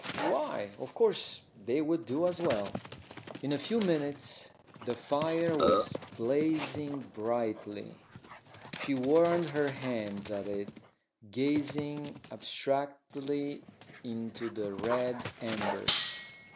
Why, of course, they would do as well. In a few minutes the fire was blazing brightly She warmed her hands at it, gazing abstractedly into the red embers.